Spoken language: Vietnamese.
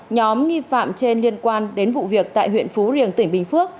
nhóm nghi phạm trên liên quan đến vụ việc tại huyện phú riềng tỉnh bình phước